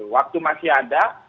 waktu masih ada